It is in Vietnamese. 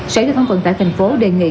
sở giao thông vận tải tp hcm đề nghị